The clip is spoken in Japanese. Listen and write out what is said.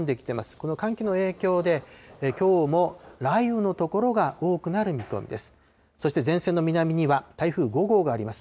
この寒気の影響で、きょうも雷雨の所が多くなる見込みです。